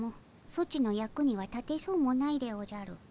ソチの役には立てそうもないでおじゃる。